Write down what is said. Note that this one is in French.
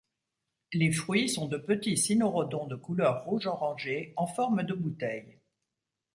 Les fruits sont de petits cynorrhodons de couleur rouge orangé, en forme de bouteille.